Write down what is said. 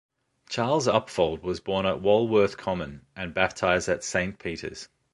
Charles Upfold was born at Walworth Common and baptised at Saint Peters.